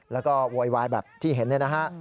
แล้วก็โวยวายแบบที่เห็นเนี่ยนะฮะ